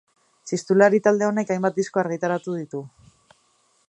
Txistulari Talde honek hainbat disko argitaratu ditu.